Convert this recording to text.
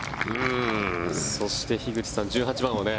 そして樋口さん、１８番はね。